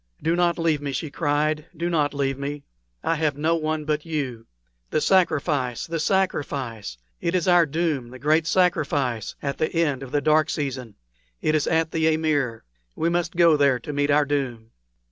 "Do not leave me!" she cried "do not leave me! I have no one but you. The sacrifice, the sacrifice! It is our doom the great sacrifice at the end of the dark season. It is at the amir. We must go there to meet our doom."